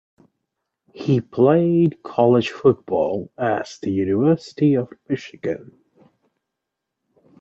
He played college football as the University of Michigan.